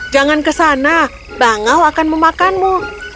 jangan ke sana bangau akan memakanmu